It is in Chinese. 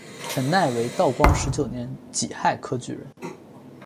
陈鼐为道光十九年己亥科举人。